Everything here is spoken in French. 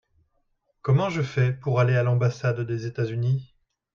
Comment je fais pour aller à l'ambassade des États-Unis ?